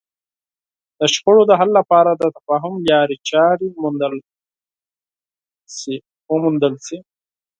د شخړو د حل لپاره د تفاهم لارې چارې وموندل شي.